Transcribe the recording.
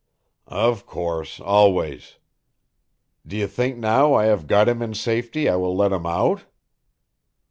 "Of course, always. D'you think now I have got him in safety I will let him out?"